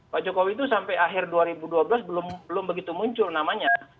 pak jokowi itu sampai akhir dua ribu dua belas belum begitu muncul namanya